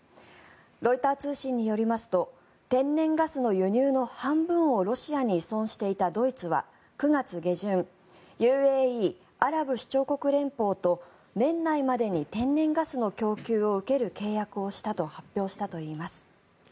ロイター通信によりますと天然ガスの輸入の半分をロシアに依存していたドイツは９月下旬ＵＡＥ・アラブ首長国連邦と年内までに天然ガスの供給を受ける契約をしたと発表しています。